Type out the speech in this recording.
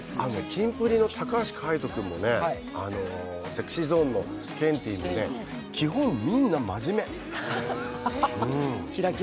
キンプリの高橋海人君もね、ＳｅｘｙＺｏｎｅのケンティも基本、みんな真面目。